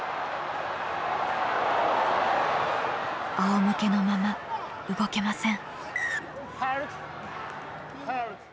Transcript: あおむけのまま動けません。